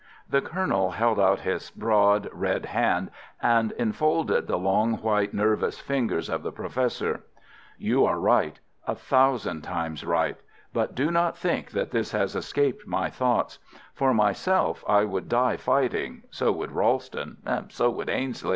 The Colonel held out his broad red hand and enfolded the long, white, nervous fingers of the Professor. "You are right—a thousand times right. But do not think that this has escaped my thoughts. For myself I would die fighting, so would Ralston, so would Ainslie.